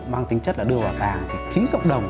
mang tính chất là đưa vào vàng thì chính cộng đồng